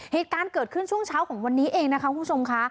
เหตุการณ์เกิดขึ้นช่วงเช้าของวันนี้เองนะคะคุณผู้ชมค่ะ